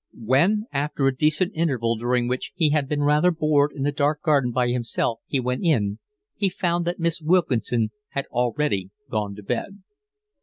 When, after a decent interval during which he had been rather bored in the dark garden by himself, he went in he found that Miss Wilkinson had already gone to bed.